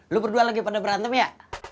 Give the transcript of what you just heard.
lu berdua lagi pada berantem ya